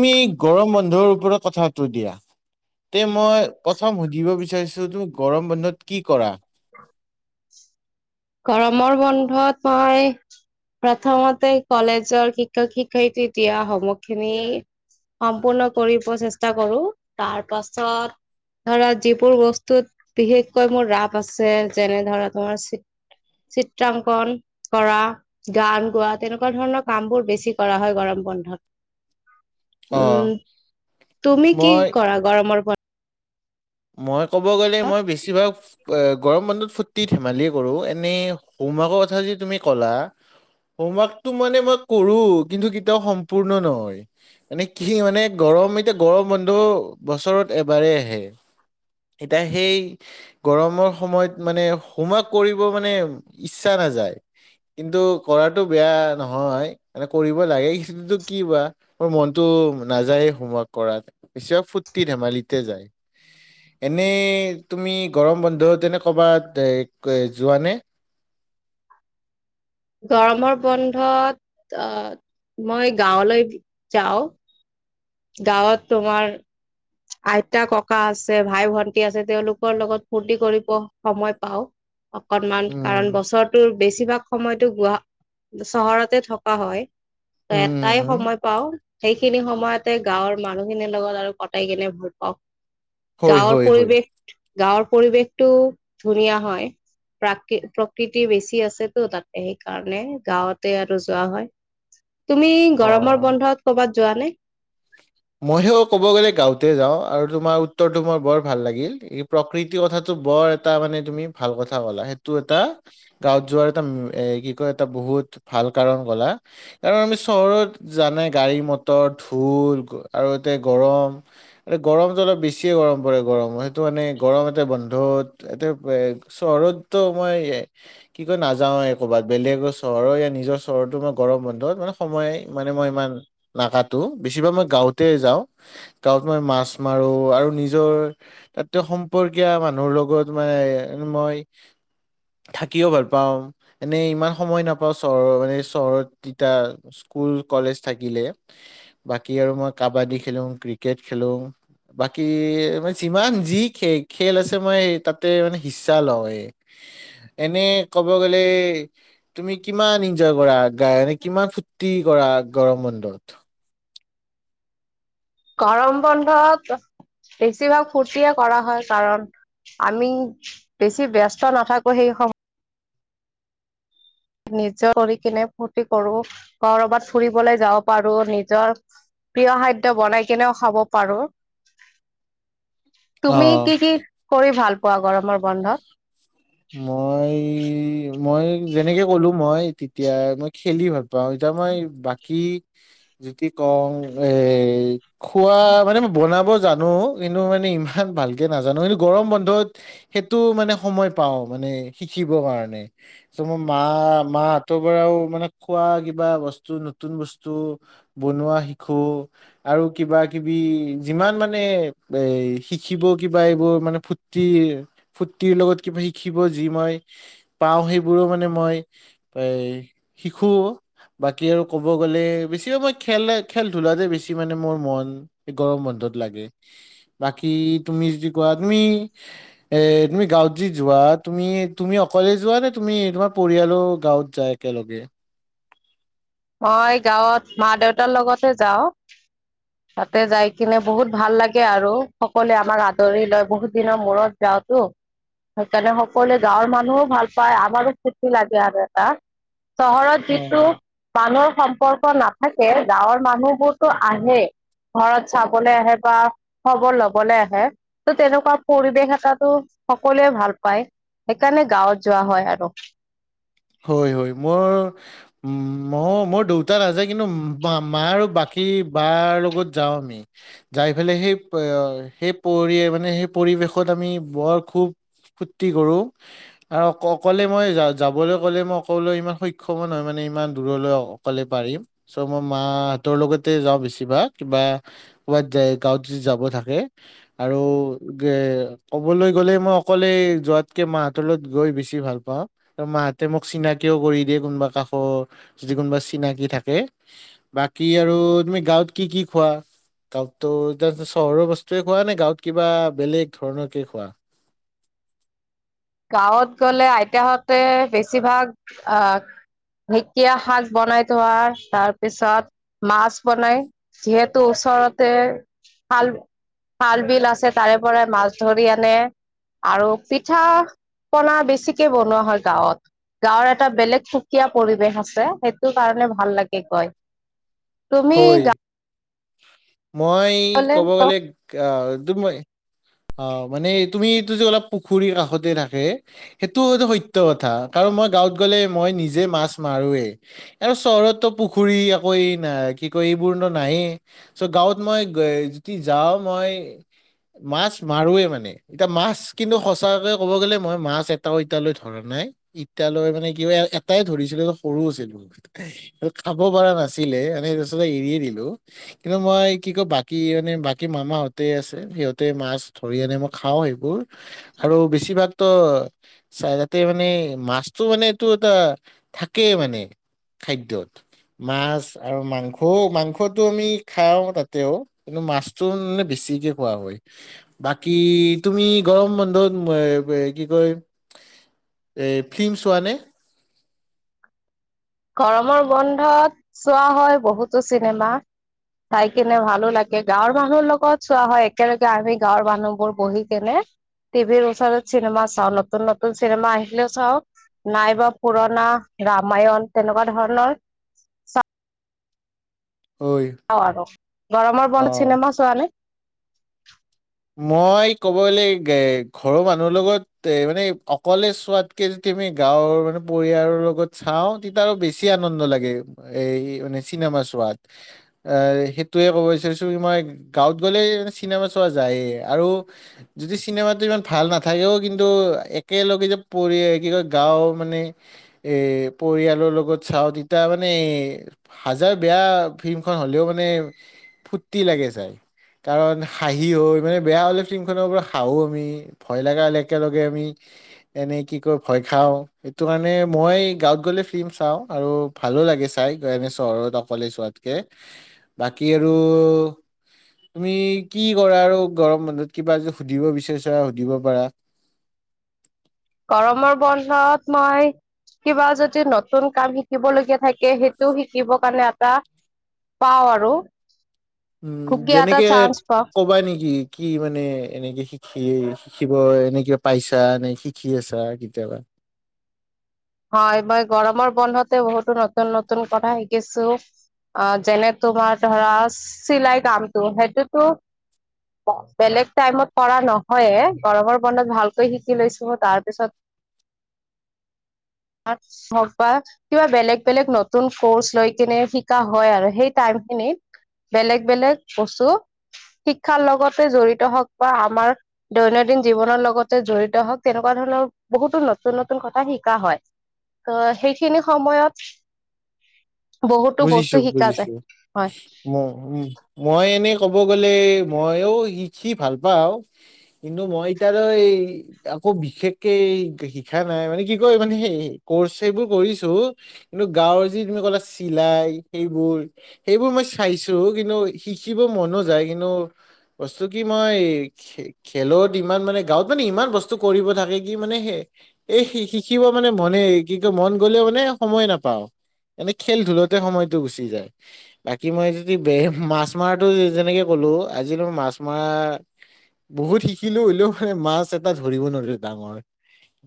[unintelligible] গৰম বন্ধৰ ওপৰত কথা পাতো দিয়া। তে মই, প্ৰথম সুধিব বিচাৰিছো, তোৰ গৰম বন্ধত কি কৰা। গৰমৰ বন্ধত মই প্ৰথমতে কলেজৰ, শিক্ষক-শিক্ষয়িত্ৰী দিয়া হোমৱৰ্ক খিনি সম্পূৰ্ণ কৰিব চেষ্টা কৰো, তাৰপাছত ধৰক যিবোৰ বস্তুত বিশেষকৈ মোৰ ৰাপ আছে, যেনে ধৰা তোমাৰ চি চিত্ৰাংকন। কৰা, গান গোৱা, তেনেকুৱা ধৰণৰ কাম বোৰ বেছি কৰা হয় গৰম বন্ধত। [inaudible] উম, তুমি কি মই কৰা গৰমৰ বন্ধ মই ক'ব গ'লে, মই বেছিভাগ। গৰম বন্ধত ফূৰ্তি-ধেমালিয়ে কৰো, এনেই হোমৱৰ্কৰ কথা যদি তুমি ক'লা হোমৱৰ্কটো মানে মই কৰো, কিন্তু কেতিয়াও সম্পূৰ্ণ নহয়। এনে কি মানে, গৰম এতিয়া, গৰম বন্ধ বছৰত এবাৰেই আহে। এতিয়া সেই গৰমৰ সময়ত মানে, হোমৱৰ্ক কৰিব মানে ইচ্ছা নাযায়। কিন্তু কৰাটো বেয়া নহয়, মানে কৰিব লাগে, কিন্তু কি বা মোৰ মনটো নাযায়ে হোমৱৰ্ক কৰাত, বেছিভাগ ফূৰ্তি-ধেমালিতে যায়। এনেই, তুমি গৰম বন্ধত এনে ক'বাত এই যোৱানে? গৰমৰ বন্ধত অ', মই গাঁৱলৈ যাওঁ। গাঁৱত তোমাৰ আইতা-ককা, আছে ভাই-ভন্টী আছে, তেওঁলোকৰ লগত ফূৰ্তি কৰিব সময় পাও। অকনমান, কাৰণ উম, বছৰটোৰ বেছিভাগ সময়তো গুৱা, চহৰতে থকা হয়। ত' উম, উম, এটাই উম, সময় পাও, সেইখিনি সময়তে গাঁৱৰ মানুহখিনিৰ লগত আৰু কথ কটাই কিনে ভাল পাওঁ, হয়, গাঁৱৰ হয়, হয়, পৰিৱেশ গাঁৱৰ পৰিৱেশটো, ধুনীয়া হয়। প্ৰাকী, প্ৰকৃতি বেছি আছেতো তাতে, সেইকাৰণে, গাঁৱতে আৰু যোৱা হয়। [inaudible] তুমি গৰমৰ অ'। বন্ধত, ক'ৰবাত যোৱা নে? মইহে ক'ব গ'লে, গাঁওঁতহে যাওঁ, আৰু তোমাৰ উত্তৰটো মোৰ বৰ ভাল লাগিল, এই প্ৰকৃতিৰ কথাটো বৰ এটা মানে, তুমি ভাল কথা ক'লা, সেইটো এটা গাঁৱত যোৱাৰ এটা, এ কি কয়, এটা বহুত ভাল কাৰণ ক'লা। কাৰণ আমি, চহৰত জানাই, গাড়ী-মটৰ, ধুল, আৰু ইয়াতে গৰম। এ গৰমটো অলপ বেছিয়ে গৰম পৰে, গৰম সেইটো মানে, গৰম এটা বন্ধত এতে চহৰতো মইয়ে কি কয় নাযাওঁয়ে, ক'ৰবাত বেলেগৰ চহৰৰ, নিজৰ চহৰতো মই গৰম বন্ধত মানে সময় মানে, মই ইমান নাকাতো, বেছিভাগ মই গাঁৱতে যাওঁ, গাঁৱত মই মাছ মাৰোঁ, আৰু নিজৰ তাতে সম্পৰ্কীয় মানুহৰ, লগত মানে, মই থাকিও ভাল পাওঁ, এনে ইমান সময় নাপাওঁ, চহৰ মানে, চহৰত তিতা স্কুল, কলেজ থাকিলে, বাকী আৰু মই, কাবাডী খেলোঁ, ক্ৰিকেট খেলোঁ। বাকী মানে যিমান যি, খে খেল আছে, মই তাতে মানে হিচ্ছা লওঁ এনে, ক'ব গ'লে তুমি কিমান এনজয় কৰা, গানে কিমান ফূৰ্তি কৰা, গৰমৰ বন্ধত? গৰম বন্ধত, বেছিভাগ ফূৰ্তিয়ে কৰা হয়, কাৰণ আমি বেছি ব্যস্ত নাথাকো, সেই সময়ত নিজৰ কৰি কিনে ফূৰ্তি কৰোঁ, ক'ৰবাত ফুৰিবলৈ যাব পাৰোঁ, নিজৰ প্ৰিয় খাদ্য বনাই কেনেও খাব পাৰোঁ। তুমি অ', কি কি কৰি ভাল পোৱা গৰমৰ বন্ধত? মই মই যেনেকে ক'লো মই তেতিয়া। মই খেলি ভাল পাওঁ, এতিয়া মই বাকী যদি কওঁ এ খোৱা মানে মই বনাব জানো কিন্তু মানে ইমান ভালকে নাজানো কিন্তু গৰম বন্ধত সেইটো মানে সময় পাওঁ মানে শিকিব কাৰণে। ত' মই মা, মাহঁতৰ পৰাও মানে খোৱা কিবা বস্তু, নতুন বস্তু বনোৱা শিকো। আৰু কিবা কিবি, যিমান মানে এ, শিকিব কিবা এইবোৰ ফুট কি ফূৰ্তিৰ লগত কিবা শিকিব যি মই পাওঁ সেইবোৰো মানে মই এই শিকো। বাকী আৰু ক'ব গ'লে বেছি সময় খেল খেল ধূলাতে বেছি মানে মোৰ মন। গৰম বন্ধত লাগে। বাকি তুমি যদি কোৱা তুমি এ, তুমি গাঁৱত যি যোৱা তুমি তুমি অকলে যোৱা নে তোমাৰ পৰিয়ালো গাঁৱত যায় একেলগে? মই গাঁৱত মা দেউতাৰ লগতে যাওঁ। [unintelligible] তাতে যাই কেনে বহুত ভাল লাগে আৰু সকলোৱে আমাক আদৰি লয়, বহুত দিনৰ মূৰত যাঁওতো। সেইকাৰণে সকলোৱে গাঁৱৰ মানুহো ভাল পায়, আমাৰো ফু্তি লাগে আৰু এটা। চহৰত যিটো অ মানুহৰ সম্পৰ্ক নাথাকে, গাঁৱৰ মানুহবোৰতো আহে। ঘৰত চাবলে আহে বা খবৰ ল'বলে আহে। ত' তেনেকুৱা পৰিৱেশ এটাটো সকলোৱে ভাল পায়। সেইকাৰণে গাঁৱত যোৱা হয় আৰু। হয় হয়, মোৰ উ, মই মোৰ, মোৰ দেউতা নাযায় কিন্তু মা আৰু বাক কি বাৰ লগত যাওঁ আমি। যাই ফেলাই সেই সেই পৰি মানে সেই পৰিৱেশত আমি বৰ খুব ফূ্তি কৰোঁ আৰু অকলে মই য-যাবলে কলে মই অকলে সক্ষম নহয় মানে দূৰলৈ অকলে পাৰিম। চ' মই মাহঁতৰ লগতে যাওঁ বেছিভাগ, কিবা ক'ৰবাত যায়, গাঁৱত যদি যাব থাকে আৰু গে ক'বলৈ গ'লে মই অকলে যোৱাতকে মাহঁতৰ লগত গৈ বেছি ভাল পাওঁ। আৰু মাহঁতে মোক চিনাকিও কৰি দিয়ে, কোনোবা কাষৰ যদি কোনোবা চিনাকি থাকে। বাকী আৰু তুমি গাঁৱত কি কি খোৱা? গাঁৱততো এতিয়া চহৰৰ বস্তুৱে খোৱা নে গাঁৱত কিবা বেলেগ ধৰণকে খোৱা? গাঁৱত গ'লে আইতাহঁতে বেছিভাগ আ ঢেঁকীয়া শাক বনাই থোৱা তাৰপিছত মাছ বনাই। যিহেতু ওচৰতে খাল খাল বিল আছে তাৰে পৰাই মাছ ধৰি আনে, আৰু পিঠা পনা বেছিকে বনোৱা হয় গাঁৱত। গাঁৱৰ এটা বেলেগ সুকীয়া পৰিৱেশ আছে, সেইটো কাৰণে ভাল লাগে গৈ। তুমি হয় গা মই গাঁৱলে ক'ব গ'লে আ, [unintelligible] মই অ, মানে তুমি এইটো যে অলপ পুখুৰীৰ কাষতে থাকে। সেইটোটো সত্য় কথা, কাৰণ মই গাঁৱত গ'লে মই নিজে মাছ মাৰোঁোৱেই। আৰু চহৰতো পুখুৰী আকৌ এই ন কি কয় এইবোৰনো নায়েই। চ' গাঁৱত মই যদি যাওঁ মই মাছ মাৰোৱে মানে। এতিয়া মাছ কিন্তু সঁচাকে ক'ব গ'লে মই মাছ এটাও এতালৈ ধৰা নাই। ইতিয়ালৈ মানে কি এটাই ধৰিছিলে সৰু আছিল। খাব পৰাাৰা নাছিলে, মানেতে এৰিয়ে দিলো। কিন্তু, মই কি কওঁ বাকী মানে বাকী মামাহতে আছে সিহঁতে মাছ ধৰি আনে মই খাওঁ সেইবোৰ আৰু বেছিভাগতো চ, তাতে মানে মাছতটো মানে এইটো এটা থাকেই মানে। খাদ্যত মাছ আৰু মাংসও মাংসত আমি খও তাতেও কিন্তু মাছতো মানে বেছি কই খোৱা হয়। বাকি, তুমি গৰম বন্ধ কি কয় ফ্িল্ম চোৱা? গৰমৰ বন্ধত চোৱা হয় বহুতো চিনেমা। খাই কিনে ভালো লাগে, গাঁৱৰ মানুহ লগত চোৱা হয়, একেলগে আমি গাঁৱৰ মানুহবোৰ বহি কেনে। টিভিৰ ওচৰত চিনেমা চাওঁ, নতুন চিনেমা আহিলেও নাইবা, পুৰণা ৰামায়ণ তেনেকুৱা ধৰণৰ অ, অ, আৰু গৰমৰ বনত চিনেমা চোৱা নে? মই, ক'ব গ'লে এ ঘৰৰ মানুহৰ লগত এ মানে অকলে চোৱাত কে যদি আমি গাঁৱৰ মানে পৰিয়ালৰ লগত চাও, তেতিয়া আৰু বেছি আনন্দ লাগে। এই, মানে চিনেমা চোৱাত। এ, সেইটোয়ে ক'ব বিচাৰিছো মই গাঁৱত গ'লে চিনেমা চোৱা যায়, আৰু যদি, চিনেমাটো ইমান ভাল নাথাকেও কিন্তু একেলগে যে পৰি কি কয় গাও মানে পৰিয়ালৰ লগত চাওঁ তেতিয়া মানে হাজাৰ বেয়া ফিল্মখন হ'লেও মানে ফূৰ্তি লাগে চায় কাৰণ সি, হয় মানে বেয়া হ'লে চিমখনৰ পৰা হাঁহো আমি ভয় লগা একেলগে আমি এনেই কি কয় ভয় খাওঁ, সেইটো কাৰণে মই গাঁৱত গ'লে ফিল্ম চাওঁ। আৰু ভালো লাগে চাই। গ এনে চহৰত অকলে যোৱাতকে বাকী আৰু তুমি কি কৰা আৰু গৰম বন্ধত কিবা যদি সুধিব বিচাৰিছা সুধিব পাৰা! গৰমৰ বন্ধত মই কিবা যদি নতুন কাম শিকিবলগীয়া থাকে সেইটো শিকিবৰ কাৰণে এটা পাওঁ আৰু! উম, সুকীয়া এটা যেনেকে চান্স পাওঁ ক'বা নেকি কি মানে এনেকে শি কি, শিকিব এনেকে পাইছা নে শিকি আছা কেতিয়াবা? হয়, মই গৰমৰ বন্ধতে বহুতো নতুন, নতুন কথা শিকিছোঁ! অ', যেনে তোমাৰ ধৰা চিলাই কামটো সেইটোতো বেলেগ টাইমত পৰা নহয়ে, গৰমৰ বন্ধত ভালকৈ শিকি লৈছোঁ তাৰপিছত [unintelligible] কিবা বেলেগ, বেলেগ নতুন কৰ্চ লৈ কিনে শিকা হয় আৰু সেই টাইমখিনিত! বেলেগ, বেলেগ বস্তু শিক্ষাৰ লগতে জড়িত হওক বা আমাৰ দৈনদিন জীৱনৰ লগতে জড়িত হওক তেনেকুৱা ধৰণৰ বহুতো নতুন, নতুন কথা শি কা, হয়! ত' সেইখিনি সময়ত বহুতো বস্তু বুজিছো শিকা বুজিছো যায়। হয়, ম, উমঁ! মই এনে ক'ব গ'লে ময়ো শিকি ভাল পাওঁ। কিন্তু মই এতিয়ালৈ- আকৌ বিশেষকে শিখা নাই মানে কি কয় মানে সেই কৰ্চ সেইবোৰ কৰিছোঁ। কিন্তু গাঁৱৰ যি বুলি ক'লে চিচ চিলাই সেইবোৰ, সেইবোৰ মই চাইছোঁ কিন্তু শিকিব মনো যায় কিন্তু- বস্তু কি মই- খেলত ইমান মানে গাঁৱত মানে ইমান বস্তু কৰিব থাকে কি মানে সেই- এই শি শিখিব মানে মনে কিন্তু মন গ'লে সময়ে নাপাওঁ। এনে খেল দূৰতে সময়তো গুচি যায়। বাকী মই যদি বে মাছ মৰাটো যেনেকে ক'লোঁ আজিলৈ মই মাছ মৰা- বহুত শিকিলোঁ হ'লেও মাছ এটা ধৰিব নোৱাৰিলোঁ ডাঙৰ।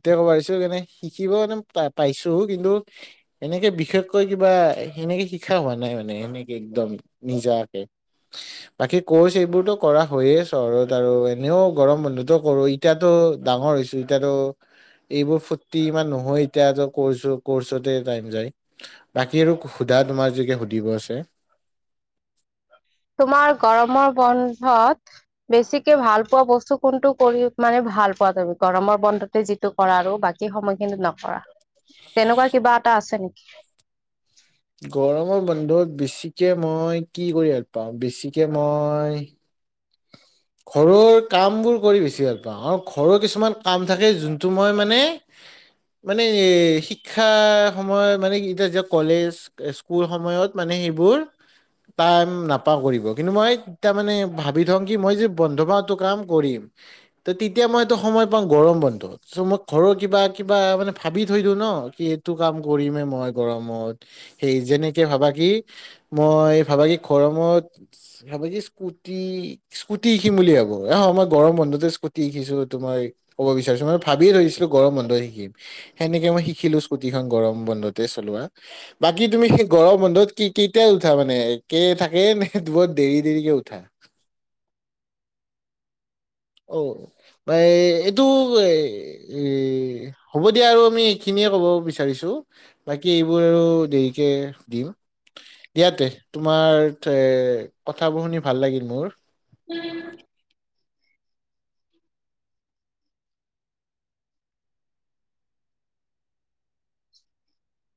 তেতিয়া ক'ব পাৰিছোঁ কেনেে শিকিব মানে প পাইছোও কিন্তু এনেকে বিশেষ- কৈ, কিবা সেনেকে শিকা হোৱা নাই মানে সেনেকে একদম নিজাকে। বাকী কোৰ্চ এইবোৰতো কৰা হৈয়েই চহৰত আৰু এনেও গৰম বন্ধতো কৰোঁ। এতিয়াতো ডাঙৰ হৈছোঁ, এতিয়াতো- এইবোৰ ফূৰ্তি ইমান নহয় এতিয়া কচ কৰ্চতে টাইম যায়। বাকী আৰু সোধা তোমাৰ যি কে সুধিব আছে? তোমাৰ গৰমৰ বন্ধত- বেছিকে ভাল পোৱা বস্তু কোনটো কৰি মানে ভাল পোৱা তুমি গৰমৰ বন্ধত- যিটো কৰা আৰু বাকী সময় কিন্তু নকৰা তেনেকুৱা কিবা এটা আছে নেকি? গৰমৰ বন্ধত বেছিকে মই কি কৰি ভাল পাওঁ, বেছিকে মই- [unintelligible] ঘৰৰ কামবোৰ কৰি বেছি ভাল পাওঁ আৰু ঘৰৰ কিছুমান কাম থাকে যোনটো মই মানে- মানে শিক্ষা সময় মানে এতিয়া যে কলেজ- স্কুল সময়ত মানে এইবোৰ- টাইম নাপাওঁ কৰিব, কিন্তু মই তাৰমানে ভাত- বিধংকী মই যে বন্ধ পাও কাম কৰিম ত' তেতিয়া মই এইটো সময় পাওঁ গৰম বন্ধত। চ' মই ঘৰৰ কিবা, কিবা মানে ভাবি থৈ দিওঁ ন কি এইটো কাম কৰিমে মই গৰমত। সেই যেনেকে ভাবা কি মই ভাবা কি গৰমত- ভাবা কি স্কুটি- স্কুটি শিকিম বুলি ভাবোঁ, অ' মই গৰম বন্ধতে স্কুটি শিকিছোঁ তোমাৰ এই- ক'ব বিচাৰিছোঁ মই ভাবিয়ে থৈছিলোঁ গৰম বন্ধত শিকিম। সেনেকে মই শিকিলো স্কুটিখন গৰম বন্ধতে চলোৱা। বাকি তুমি সেই গৰম বন্ধত কি কি যে উঠা মানে একে থাকেনে দেৰি দেৰিকৈ ওঠা। অঁ পায় এইটো এ- এ হ'ব দিয়া আৰু আমি এইখিনিয়ে ক'ব বিচাৰিছো? বাকী এইবোৰ আৰু দেৰিকে দিম। ইয়াতে তোমাৰ ঠেএৰ কথাবোৰ শুনি ভাল লাগিল মোৰ। টেতত [inaudible]